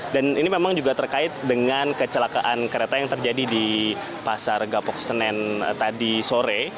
dan ini memang juga terkait dengan kecelakaan kereta yang terjadi di pasar gapok senan tadi sore